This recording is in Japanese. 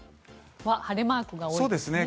晴れマークが多いですね。